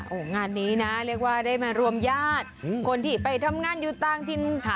ขอบคุณครับขอบคุณครับขอบคุณครับขอบคุณครับขอบคุณครับขอบคุณครับ